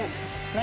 何？